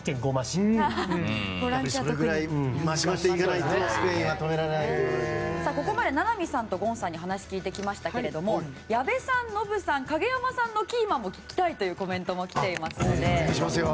それくらいしないとスペインはここまで名波さんとゴンさんに話を聞いてきましたけども矢部さん、ノブさん影山さんのキーマンも聞きたいというコメントも来ています。